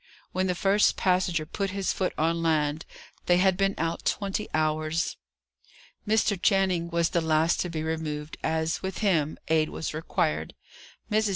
When the first passenger put his foot on land, they had been out twenty hours. Mr. Channing was the last to be removed, as, with him, aid was required. Mrs.